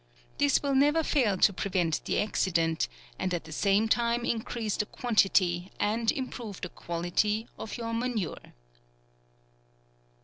This will never fail to prevent the accident, and at the same time increase the quantity, and improve the quali ty, of your manure.